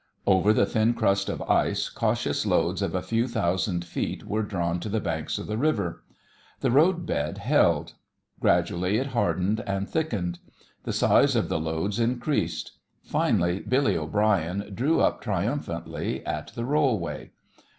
Over the thin crust of ice cautious loads of a few thousand feet were drawn to the banks of the river. The road bed held. Gradually it hardened and thickened. The size of the loads increased. Finally Billy O'Brien drew up triumphantly at the rollway.